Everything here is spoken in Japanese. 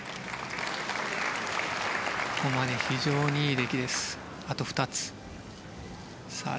ここまで非常にいい出来。